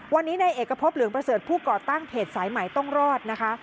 วันนี้ในเอกพบเหลืองประเสริฐผู้ก่อตั้งเพจสายใหม่ต้องรอดนะคะ